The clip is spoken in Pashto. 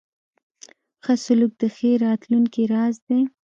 ښه سلوک د ښې راتلونکې راز دی.